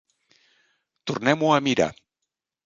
Tornem-ho a mirar.